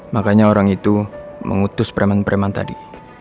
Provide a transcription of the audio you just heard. makanya orang itu mengutus preman preman tadi